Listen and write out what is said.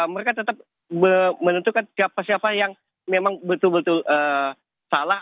mereka tetap menentukan siapa siapa yang memang betul betul salah